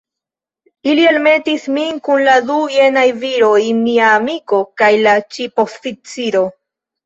Ili elmetis min kun la du jenaj viroj, mia amiko, kaj la ŝipoficiro.